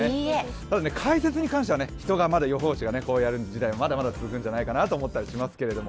ただ、解説に関しては予報士がやる時代がまだまだ続くんじゃないかと思ったりするんですけども。